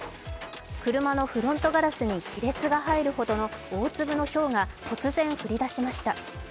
車のフロントガラスに亀裂が入るほどの大粒のひょうが突然降りだしました。